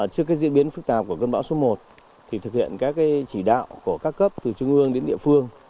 trước cái diễn biến phức tạp của cơn bão số một thì thực hiện các chỉ đạo của các cấp từ trung ương đến địa phương